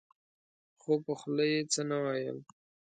خو په خوله يې څه نه ويل.